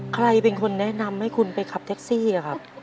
ใครเป็นคนแนะนำให้คุณไปขับแท็กซี่ครับ